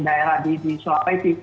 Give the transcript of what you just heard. daerah di sulawesi